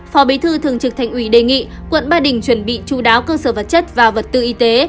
phó bí thư thường trực thành ủy đề nghị quận ba đình chuẩn bị chú đáo cơ sở vật chất và vật tư y tế